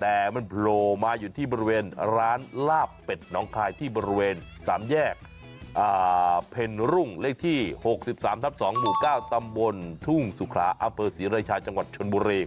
แต่มันโผล่มาอยู่ที่บริเวณร้านลาบเป็ดน้องคายที่บริเวณ๓แยกเพ็ญรุ่งเลขที่๖๓ทับ๒หมู่๙ตำบลทุ่งสุขลาอำเภอศรีราชาจังหวัดชนบุรี